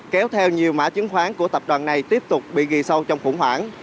kéo theo nhiều mã chứng khoán của tập đoàn này tiếp tục bị ghi sâu trong khủng hoảng